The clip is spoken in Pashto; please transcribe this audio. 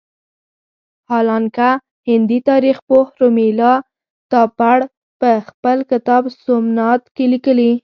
حالانکه هندي تاریخ پوه رومیلا تاپړ په خپل کتاب سومنات کې لیکلي.